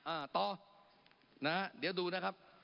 อ้าวต่อเดี๋ยวดูนะครับ